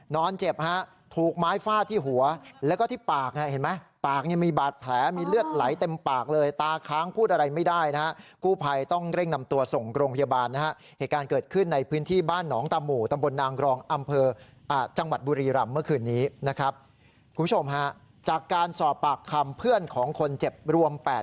เจ็บฮะถูกไม้ฟาดที่หัวแล้วก็ที่ปากเห็นไหมปากเนี่ยมีบาดแผลมีเลือดไหลเต็มปากเลยตาค้างพูดอะไรไม่ได้นะฮะกู้ภัยต้องเร่งนำตัวส่งโรงพยาบาลนะฮะเหตุการณ์เกิดขึ้นในพื้นที่บ้านหนองตาหมู่ตำบลนางกรองอำเภอจังหวัดบุรีรำเมื่อคืนนี้นะครับคุณผู้ชมฮะจากการสอบปากคำเพื่อนของคนเจ็บรวม๘